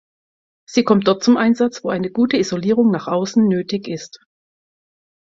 Sie kommt dort zum Einsatz, wo eine gute Isolierung nach außen nötig ist.